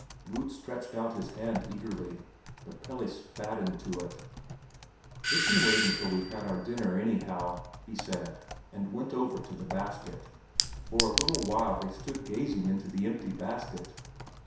Rud stretched out his hand eagerly, but Pelle spat into it. "It can wait until we've had our dinner anyhow," he said, and went over to the basket. For a little while they stood gazing into the empty basket.